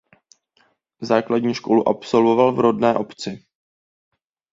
Základní školu absolvoval v rodné obci.